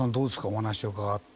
お話を伺って。